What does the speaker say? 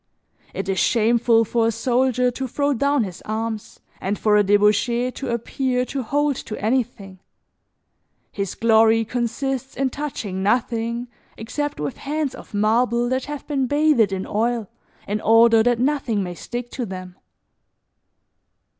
It is shameful for a soldier to throw down his arms and for a debauchee to appear to hold to anything; his glory consists in touching nothing except with hands of marble that have been bathed in oil in order that nothing may stick to them.